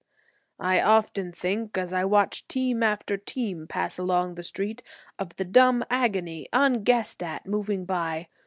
"I often think, as I watch team after team pass along the street, of the dumb agony, unguessed at, moving by.